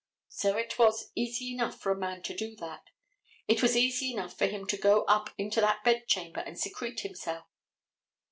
So it was easy enough for a man to do that. It was easy enough for him to go up into that bed chamber and secrete himself.